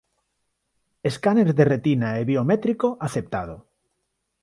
Escáner de retina e biométrico aceptado.